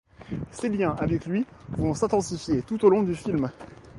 Ses liens avec lui vont s'intensifier tout au long du film.